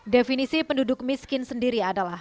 definisi penduduk miskin sendiri adalah